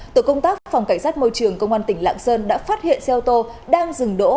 tổ công tác phòng cảnh sát môi trường công an tỉnh lạng sơn đã phát hiện xe ô tô đang dừng đỗ